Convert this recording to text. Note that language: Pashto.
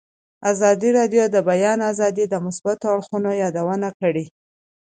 ازادي راډیو د د بیان آزادي د مثبتو اړخونو یادونه کړې.